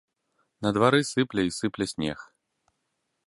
На двары сыпле і сыпле снег.